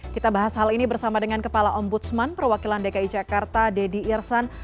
kita bahas hal ini bersama dengan kepala ombudsman perwakilan dki jakarta deddy irsan